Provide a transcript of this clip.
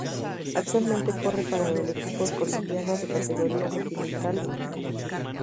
Actualmente corre para el equipo colombiano de categoría Continental el Medellín.